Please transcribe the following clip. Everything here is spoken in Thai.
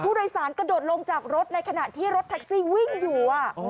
กระโดดลงจากรถในขณะที่รถแท็กซี่วิ่งอยู่